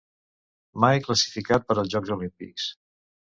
Mai classificat per als Jocs Olímpics.